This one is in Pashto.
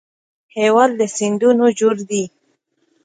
هېواد له سیندونو جوړ دی